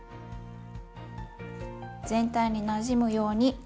全体になじむように混ぜます。